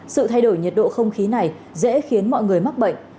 sự thay đổi nhiệt độ không khí này dễ khiến mọi người mắc bệnh